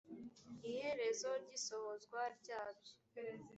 iherezo ry isohozwa ryabyo